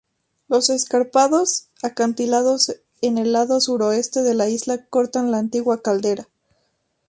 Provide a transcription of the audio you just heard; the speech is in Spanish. Los escarpados acantilados en el lado suroeste de la isla cortan la antigua caldera.